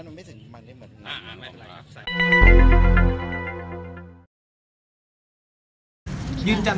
๑คนเป็นครูเหมือนกัน